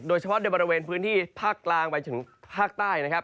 โดยเฉพาะในบริเวณพื้นที่ภาคกลางไปถึงภาคใต้นะครับ